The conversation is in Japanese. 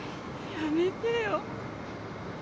やめてよ！